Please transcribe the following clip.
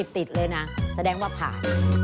ติดเลยนะแสดงว่าผ่าน